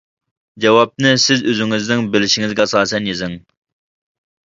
جاۋابنى سىز ئۆزىڭىزنىڭ بىلىشىڭىزگە ئاساسەن يېزىڭ.